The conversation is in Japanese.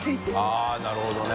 ◆舛なるほどね。